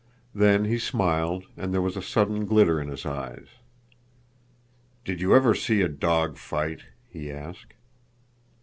Then he smiled and there was a sudden glitter in his eyes. "Did you ever see a dog fight?" he asked.